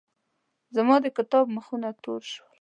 زما د کتاب مخونه تور شول.